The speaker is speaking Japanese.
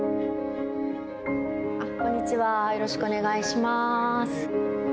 こんにちは、よろしくお願いします。